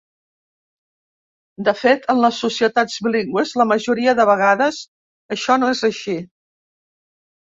De fet, en les societats bilingües la majoria de vegades això no és així.